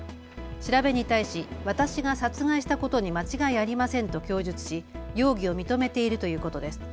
調べに対し私が殺害したことに間違いありませんと供述し容疑を認めているということです。